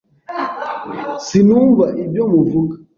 Sinumva ibyo muvuga.